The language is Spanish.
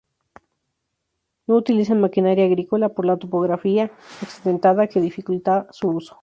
No utilizan maquinaría agrícola, por la topografía accidentada que dificulta su uso.